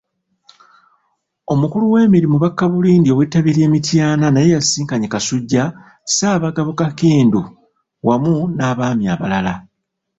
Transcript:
Omukulu w'emirimu Bakabulindi ow'ettabi ly'e Mityana naye yasisinkanye Kasujju, Ssaabagabo Kakindu wamu n'Abaami abalala.